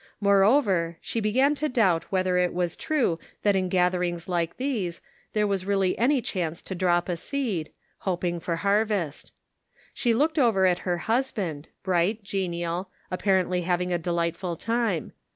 Moreover, she began to doubt whether it was true that in gatherings like these there was really any chance to drop a seed, hoping for harvest. She looked over at her husband, bright, genial, apparently having a delightful time.